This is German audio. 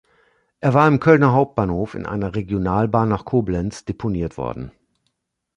Er war im Kölner Hauptbahnhof in einer Regionalbahn nach Koblenz deponiert worden.